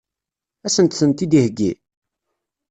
Ad sent-tent-id-iheggi?